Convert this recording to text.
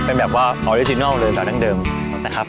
เป็นแบบว่าออริจินัลเลยจากดั้งเดิมนะครับ